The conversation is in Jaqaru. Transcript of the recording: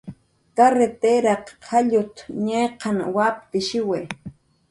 "Karritiraq jallut"" ñiqan waptishiwi"